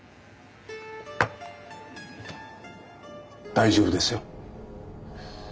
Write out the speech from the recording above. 大丈夫ですよ。